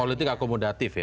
politik akomodatif ya